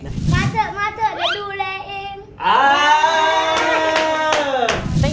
มาเถอะจะดูแลอิง